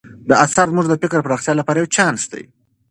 دا اثر زموږ د فکر د پراختیا لپاره یو چانس دی.